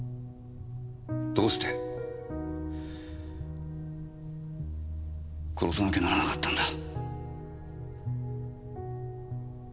どうして殺さなきゃならなかったんだ？